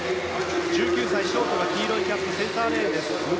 １９歳のショートは黄色キャップ、センターレーン。